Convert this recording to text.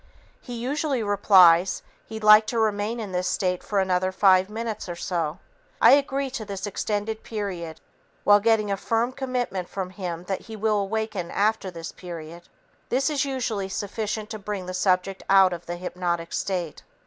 He usually replies he'd like to remain in this state for another five minutes or so. I agree to this extended period while getting a firm commitment from him that he will awaken after this period. This is usually sufficient to bring the subject out of the hypnotic state.